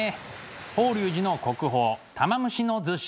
法隆寺の国宝「玉虫厨子」。